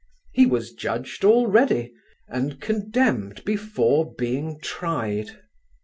He was judged already and condemned before being tried.